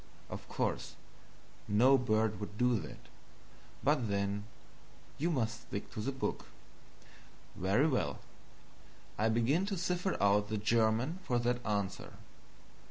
Of course no bird would do that, but then you must stick to the book. Very well, I begin to cipher out the German for that answer.